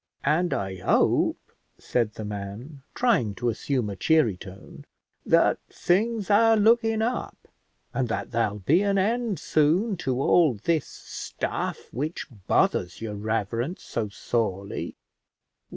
And I hope," said the man, trying to assume a cheery tone, "that things are looking up, and that there'll be an end soon to all this stuff which bothers your reverence so sorely."